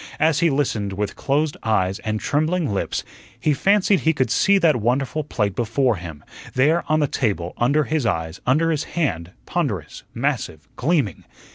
As he listened, with closed eyes and trembling lips, he fancied he could see that wonderful plate before him, there on the table, under his eyes, under his hand, ponderous, massive, gleaming.